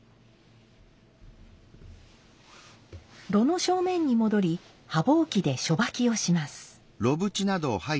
炉の正面に戻り羽箒で初掃きをします。